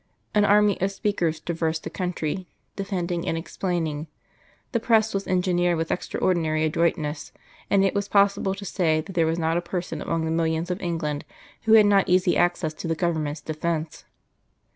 An army of speakers traversed the country, defending and explaining; the press was engineered with extraordinary adroitness, and it was possible to say that there was not a person among the millions of England who had not easy access to the Government's defence.